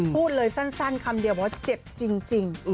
พูดเลยสั้นคำเดียวว่าเจ็บจริง